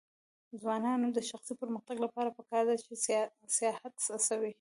د ځوانانو د شخصي پرمختګ لپاره پکار ده چې سیاحت هڅوي.